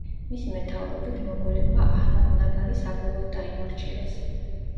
მისი მეთაურობით მოგოლებმა აჰმადნაგარი საბოლოოდ დაიმორჩილეს.